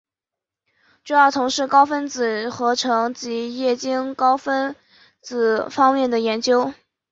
主要从事高分子合成及液晶高分子方面的研究。